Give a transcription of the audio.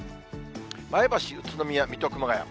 前橋、宇都宮、水戸、熊谷。